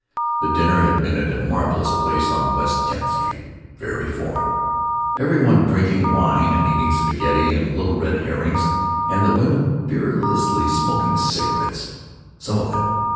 The dinner had been at a marvelous place on West Tenth Street—very foreign, every one drinking wine and eating spaghetti and little red herrings, and the women fearlessly smoking cigarettes—some of them.